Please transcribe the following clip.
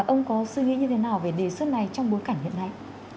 ông có suy nghĩ như thế nào về đề xuất này trong bối cảnh hiện nay